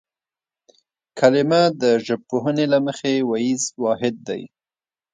کلمه د ژبپوهنې له مخې وییز واحد دی